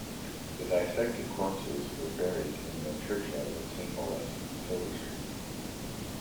The dissected corpses were buried in the churchyard of St Olave's, Silver Street.